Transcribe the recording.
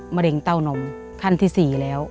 มะเร็งเต้านมขั้นที่๔แล้ว